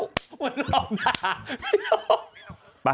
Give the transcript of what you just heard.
คุณล้อมขา